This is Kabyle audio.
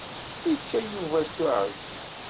Yečča Yuba s uɛijel.